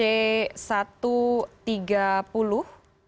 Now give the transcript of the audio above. kepmompen the hadassah